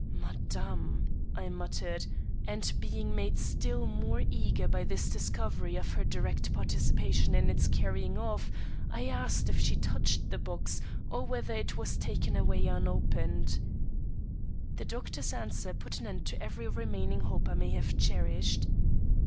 "Madame!" I muttered; and being made still more eager by this discovery of her direct participation in its carrying off, I asked if she touched the box or whether it was taken away unopened. The doctor's answer put an end to every remaining hope I may have cherished.